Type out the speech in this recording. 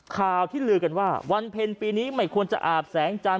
ข่าวที่ลือกันว่าวันเพ็ญปีนี้ไม่ควรจะอาบแสงจันท